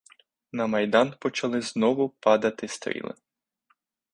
На майдан почали знову падати стріли.